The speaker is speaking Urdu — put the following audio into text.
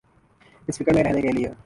اس فکر میں رہنے کیلئے۔